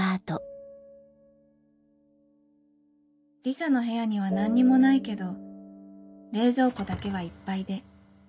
リサの部屋には何にもないけど冷蔵庫だけはいっぱいで。